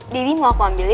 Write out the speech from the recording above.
jadi mau aku ambilin